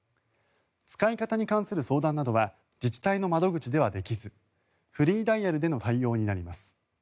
使い方に関する相談などは自治体の窓口ではできずフリーダイヤルでの対応になります。